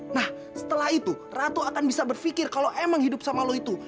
nah setelah itu ratu akan bisa berpikir kalau emang hidup sama lo itu